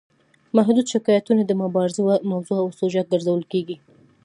محدود شکایتونه د مبارزې موضوع او سوژه ګرځول کیږي.